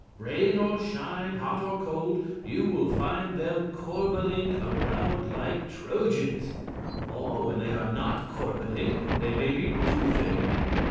Rain or shine, hot or cold, you will find them corbeling around like Trojans. Or when they are not corbeling they may be toothing.